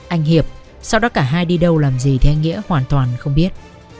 anh hiệp sau đó cả hai đi đâu làm gì thì anh nghĩa hoàn toàn không biết